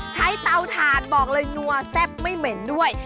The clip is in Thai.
เตาถ่านบอกเลยนัวแซ่บไม่เหม็นด้วย